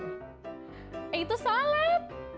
eh itu salah